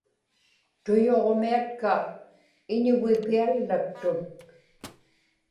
tuyuġmiatka iñugipiallaktut